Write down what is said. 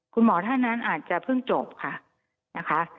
คุณหมอท่านนั้นอาจจะเพิ่งจบค่ะนะคะ